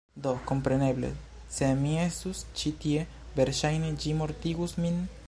Do kompreneble, se mi estus ĉi tie, verŝajne ĝi mortigus min.